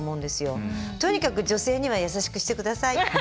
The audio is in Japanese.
とにかく女性には優しくしてください。